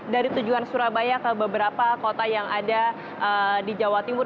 dari tujuan surabaya ke beberapa kota yang ada di jawa timur